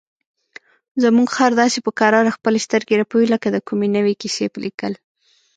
زموږ خر داسې په کراره خپلې سترګې رپوي لکه د کومې نوې کیسې لیکل.